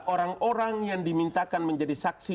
orang orang yang dimintakan menjadi saksi